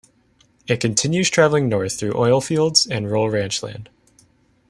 It continues traveling north through oil fields and rural ranch land.